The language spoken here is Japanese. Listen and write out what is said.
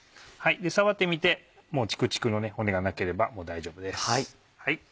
触ってみてチクチクの骨がなければもう大丈夫です。